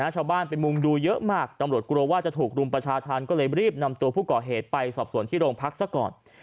ชาวบ้านไปมุงดูเยอะมากตำรวจกลัวว่าจะถูกรุมประชาธรรมก็เลยรีบนำตัวผู้ก่อเหตุไปสอบส่วนที่โรงพักซะก่อน